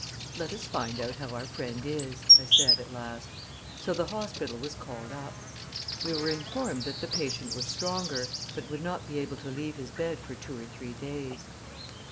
"Let us find out how our friend is," I said at last; so the hospital was called up. We were informed that the patient was stronger, but would not be able to leave his bed for two or three days.